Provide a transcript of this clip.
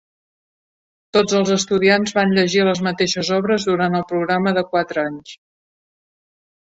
Tots els estudiants van llegir les mateixes obres durant el programa de quatre anys.